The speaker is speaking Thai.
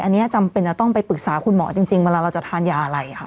อันนี้จำเป็นจะต้องไปปรึกษาคุณหมอจริงเวลาเราจะทานยาอะไรค่ะ